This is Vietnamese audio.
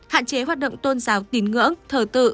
hạn chế hoạt động tôn giáo tín ngưỡng thờ tự